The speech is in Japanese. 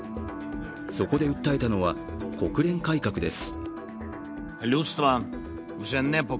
そこで訴えたのは国連改革です。